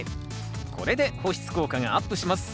これで保湿効果がアップします。